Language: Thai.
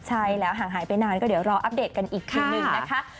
หากหายไปนานก็รออัปเดตกันอีกหนึ่งนะคะ